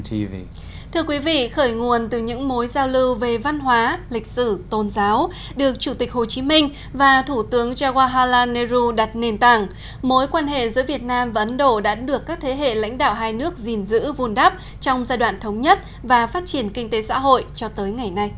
thưa quý vị khởi nguồn từ những mối giao lưu về văn hóa lịch sử tôn giáo được chủ tịch hồ chí minh và thủ tướng jawala neru đặt nền tảng mối quan hệ giữa việt nam và ấn độ đã được các thế hệ lãnh đạo hai nước gìn giữ vun đắp trong giai đoạn thống nhất và phát triển kinh tế xã hội cho tới ngày nay